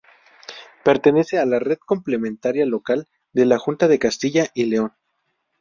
Pertenece a la Red Complementaria Local de la Junta de Castilla y León.